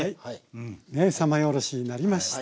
三枚おろしになりました。